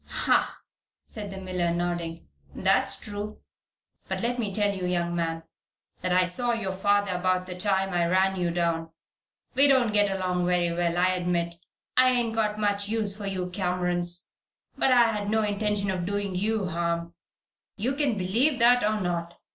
"Hah!" said the miller, nodding. "That's true. But let me tell you, young man, that I saw your father about the time I ran you down. We don't get along very well, I admit. I ain't got much use for you Camerons. But I had no intention of doing you harm. You can believe that, or not.